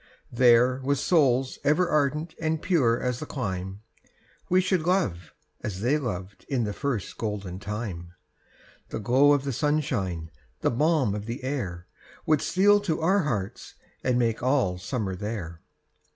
There, with souls ever ardent and pure as the clime, We should love, as they loved in the first golden time; The glow of the sunshine, the balm of the air, Would steal to our hearts, and make all summer there.